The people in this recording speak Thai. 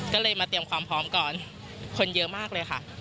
ก็เลยมาเตรียมความพร้อมก่อนคนเยอะมากเลยค่ะ